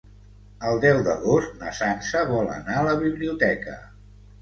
El deu d'agost na Sança vol anar a la biblioteca.